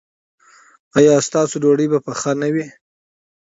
ایا ستاسو ډوډۍ به پخه نه وي؟